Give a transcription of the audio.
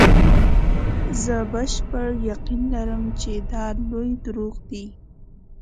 زه بشپړ یقین لرم چې دا لوی دروغ دي.